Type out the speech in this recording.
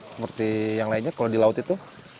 seperti yang lainnya kalau di laut itu